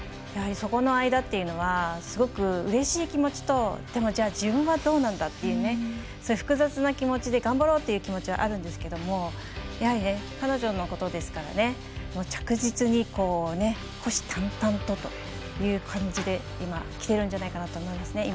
やはり、そこの間というのはすごくうれしい気持ちとじゃあ自分はどうなんだっていう複雑な気持ちで頑張ろうという気持ちはあるんですがやはり、彼女のことですから着実に虎視たんたんとという感じで今、きてるんじゃないかなと思います。